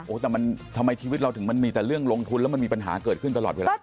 แต่มันทำไมชีวิตเราถึงมันมีแต่เรื่องลงทุนแล้วมันมีปัญหาเกิดขึ้นตลอดเวลา